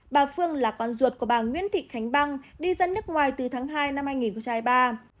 bà phương là con ruột của bà nguyễn thị khánh băng đi dân nước ngoài từ tháng hai năm hai nghìn hai mươi ba